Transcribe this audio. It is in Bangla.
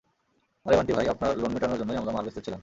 আরে বান্টি-ভাই, আপনার লোন মেটানোর জন্যই আমরা মাল বেচতেছিলাম।